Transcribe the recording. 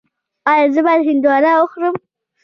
ایا زه باید هندواڼه وخورم؟